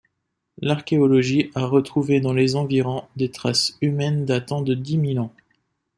L'archéologie a retrouvé dans les environs des traces humaines datant de dix mille ans.